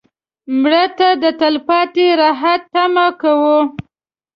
مړه ته د تلپاتې راحت تمه کوو